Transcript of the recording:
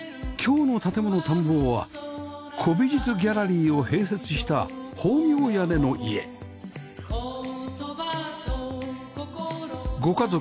今日の『建もの探訪』は古美術ギャラリーを併設した方形屋根の家